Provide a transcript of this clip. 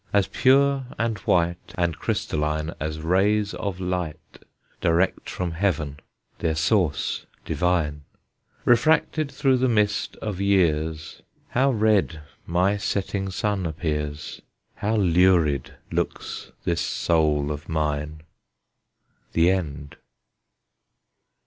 as pure and white And crystalline as rays of light Direct from heaven, their source divine; Refracted through the mist of years, How red my setting sun appears, How lurid looks this soul of mine! THE END.